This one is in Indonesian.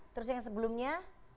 terus yang sebelumnya